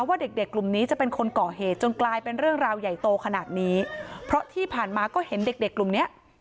ว่าเด็กเด็กกลุ่มนี้จะเป็นคนก่อเหตุจนกลายเป็นเรื่องราวใหญ่โตขนาดนี้เพราะที่ผ่านมาก็เห็นเด็กเด็กกลุ่มเนี้ย